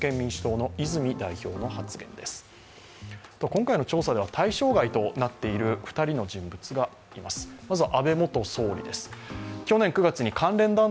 今回の調査では対象外となっている２人の人物がいます。